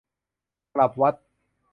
กลับวัด